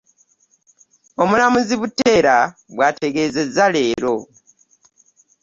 Omulamuzi Buteera bw'ategeezezza leero.